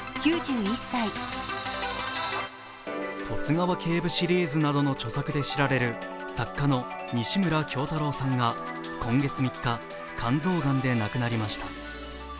「十津川警部」シリーズなどの著作で知られる作家の西村京太郎さんが今月３日、肝臓がんで亡くなりました。